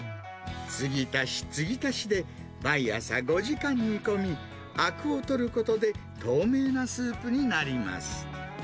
継ぎ足し継ぎ足しで、毎朝５時間煮込み、あくを取ることで、透明なスープになります。